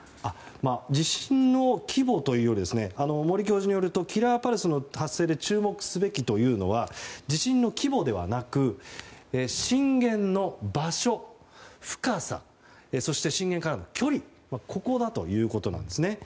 地震の規模というより森教授によるとキラーパルスの発生で注目すべきというのは地震の規模ではなく震源の場所深さ、震源からの距離ここだということです。